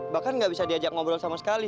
bahkan nggak bisa diajak ngobrol sama sekali